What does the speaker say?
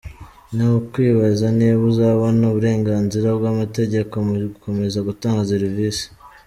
Ni ukwibaza niba azabona uburenganzira bw’amategeko mu gukomeza gutanga serivisi.